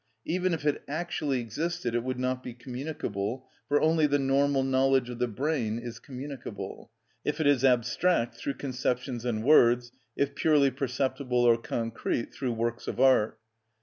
Even if it actually existed it would not be communicable, for only the normal knowledge of the brain is communicable; if it is abstract, through conceptions and words; if purely perceptible or concrete, through works of art.